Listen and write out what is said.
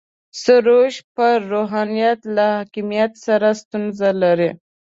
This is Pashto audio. سروش پر روحانیت له حاکمیت سره ستونزه لري.